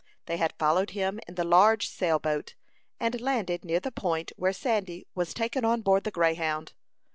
They had followed him in the large sail boat, and landed near the point where Sandy was taken on board the Greyhound.